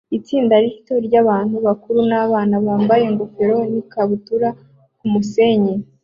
Itsinda rito ryabantu bakuru nabana bambaye ingofero nikabutura kumusenyi